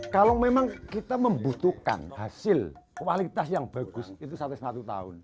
kalau memang kita membutuhkan hasil kualitas yang bagus itu satu satu tahun